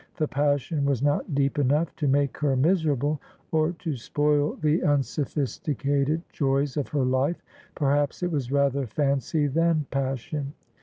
The passion was not deep enough to make her miserable, or to spoil the unsophisticated joys of her life. Perhaps it was rather fancy than passion.